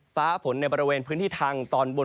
ฟ้าฝนในบริเวณพื้นที่ทางตอนบน